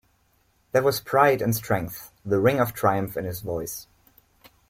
There was pride and strength, the ring of triumph in his voice.